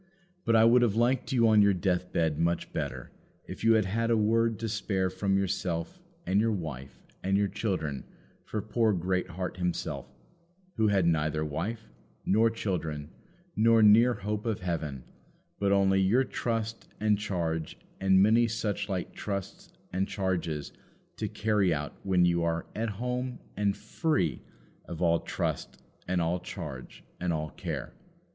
But I would have liked you on your deathbed much better if you had had a word to spare from yourself and your wife and your children for poor Greatheart himself, who had neither wife nor children, nor near hope of heaven, but only your trust and charge and many suchlike trusts and charges to carry out when you are at home and free of all trust and all charge and all care.